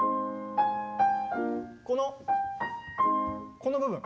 このこの部分。